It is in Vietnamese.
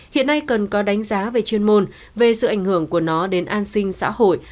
hiện nay cần có đánh giá về chuyên môn về sự ảnh hưởng của nó đến an sinh xã hội